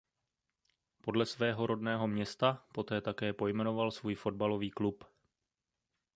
Podle svého rodného města poté také pojmenoval svůj fotbalový klub.